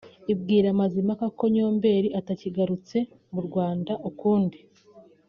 ibwira Mazimpaka ko Nyombeli atakigarutse mu Rwanda ukundi